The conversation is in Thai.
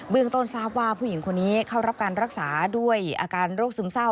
เรื่องต้นทราบว่าผู้หญิงคนนี้เข้ารับการรักษาด้วยอาการโรคซึมเศร้า